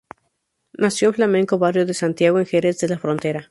Nació en el flamenco barrio de Santiago, en Jerez de la Frontera.